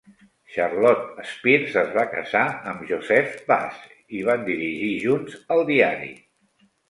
Charlotta Spears es va casar amb Joseph Bass i van dirigir junts el diari.